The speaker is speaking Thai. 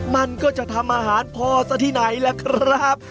มันก็จะทำอาหารพอซะที่ไหนล่ะครับ